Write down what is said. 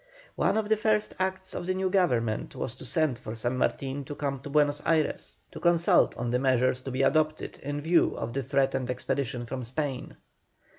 One of the first acts of the new Government was to send for San Martin to come to Buenos Ayres, to consult on the measures to be adopted in view of the threatened expedition from Spain.